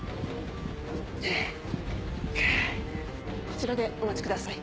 こちらでお待ちください。